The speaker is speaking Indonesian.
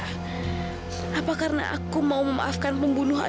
papa gue itu bukan seorang pembunuh